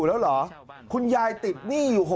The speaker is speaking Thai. อาทิตย์๒๕อาทิตย์